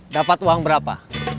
dapat uang berapa